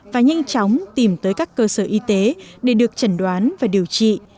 và nhanh chóng tìm tới các cơ sở y tế để được chẩn đoán và điều trị